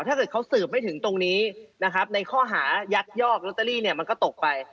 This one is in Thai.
ถ้าเกิดเขาสืบไม่ถึงตรงนี้นะครับในข้อหายักยอกลอตเตอรี่เนี่ยมันก็ตกไป